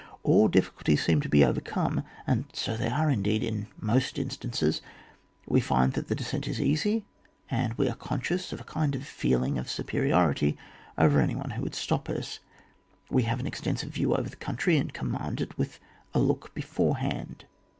All difficulties seem to be overcome, and so they are indeed in most instances ; we find that the descent is easy, and we are conscious of a kind of feeling of supe riority over any one who would stop us ; we have an extensive view over the country, and command it with a look beforehand.